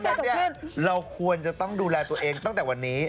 แต่เนี่ยเราควรจะต้องดูแลตัวเองตั้งแต่วันนี้